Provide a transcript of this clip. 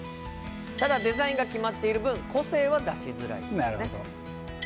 ただデザインが決まっている分個性は出しづらいですね。